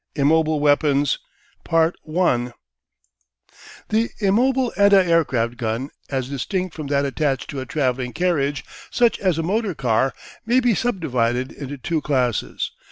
IMMOBILE WEAPONS The immobile anti aircraft gun, as distinct from that attached to a travelling carriage such as a motor car, may be subdivided into two classes.